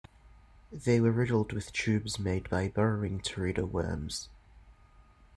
They were riddled with tubes made by burrowing teredo worms.